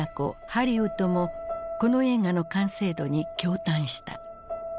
ハリウッドもこの映画の完成度に驚嘆した。